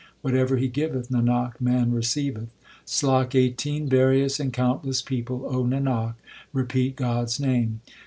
Whatever He giveth, Nanak, man receiveth. SLOK XVIII Various and countless people, O Nanak, repeat God s name.